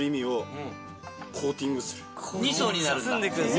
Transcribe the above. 二層になるんだ！